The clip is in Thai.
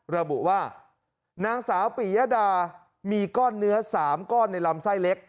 ระบุว่านางสาวปียดามีก้อนเนื้อ๓ก้อนในลำไส้เล็ก